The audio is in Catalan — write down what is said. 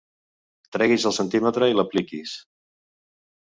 Treguis el centímetre i l'apliquis.